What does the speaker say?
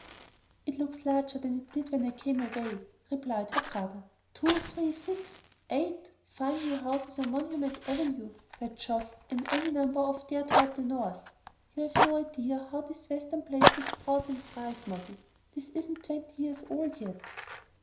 "It looks larger than it did when I came away," replied her brother. "Two, three, six, eight fine new houses on Monument Avenue, by Jove, and any number off there toward the north. You've no idea how these Western places sprout and thrive, Moggy. This isn't twenty years old yet."